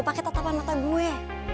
pake tetapan mata gue